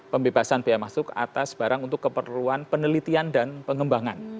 pembebasan biaya masuk atas barang untuk keperluan penelitian dan pengembangan